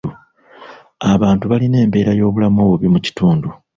Abantu balina embeera y'obulamu obubi mu kitundu.